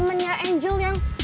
temennya angel yang